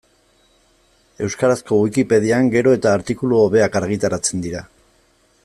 Euskarazko Wikipedian gero eta artikulu hobeak argitaratzen dira.